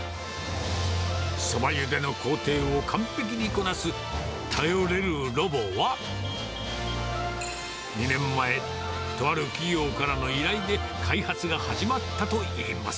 そばゆでの工程を完璧にこなす頼れるロボは、２年前、とある企業からの依頼で開発が始まったといいます。